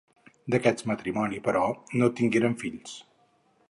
D'aquest matrimoni, però, no tingueren fills.